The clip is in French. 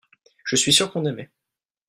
je suis sûr qu'on aimaient.